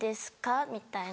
みたいな。